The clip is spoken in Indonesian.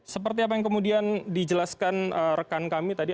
seperti apa yang kemudian dijelaskan rekan kami tadi